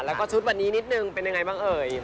แล้วก็ชุดวันนี้นิดนึงเป็นยังไงบ้างเอ่ย